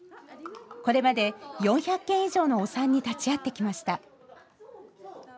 これまで４００件以上のお産に立ち会ってきました。